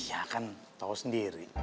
iya kan tau sendiri